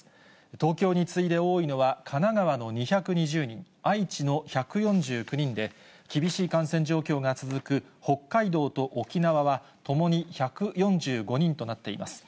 東京に次いで多いのは、神奈川の２２０人、愛知の１４９人で、厳しい感染状況が続く北海道と沖縄はともに１４５人となっています。